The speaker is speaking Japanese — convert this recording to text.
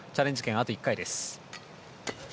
あと１回です。